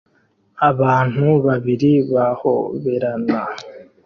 Abantu babiri bahoberana